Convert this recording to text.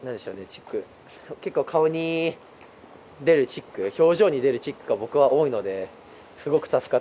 チック結構顔に出るチック表情に出るチックが僕は多いのですごく助かってます